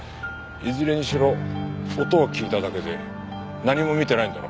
いずれにしろ音を聞いただけで何も見てないんだろ。